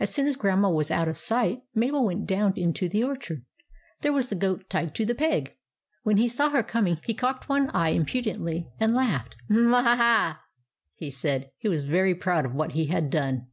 As soon as Grandma was out of sight, Mabel went down into the orchard. There was the goat tied to the peg. When he saw her coming he cocked one eye impu dently and laughed. "M m a a a!" he said. He was very proud of what he had done.